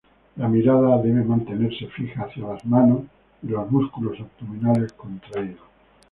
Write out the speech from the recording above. La mirada debe mantenerse fija hacia las manos, y los músculos abdominales contraídos.